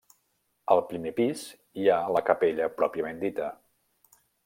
Al primer pis hi ha la capella pròpiament dita.